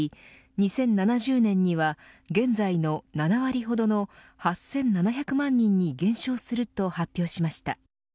２０７０年には現在の７割ほどの８７００万人に減少すると発表しました。